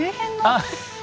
あっ！